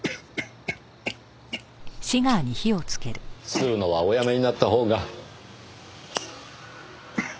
吸うのはおやめになったほうが。